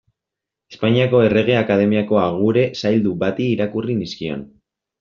Espainiako Errege Akademiako agure zaildu bati irakurri nizkion.